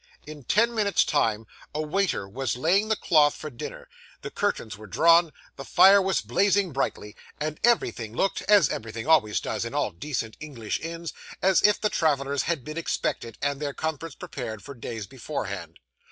In ten minutes' time, a waiter was laying the cloth for dinner, the curtains were drawn, the fire was blazing brightly, and everything looked (as everything always does, in all decent English inns) as if the travellers had been expected, and their comforts prepared, for days beforehand.